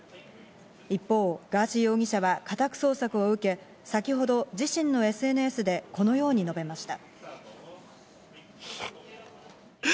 一方、ガーシー容疑者は家宅捜索を受け、先ほど自身のＳＮＳでこのように述べました。